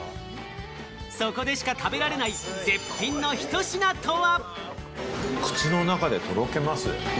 そこでしか食べられない、絶品のひと品とは。